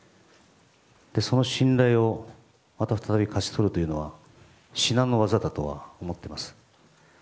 その信頼をまた再び勝ち取るというのは至難の業だとは思っています。